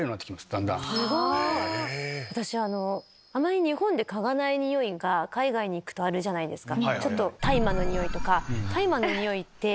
すごい！あまり日本で嗅がないニオイが海外に行くとあるじゃないですか。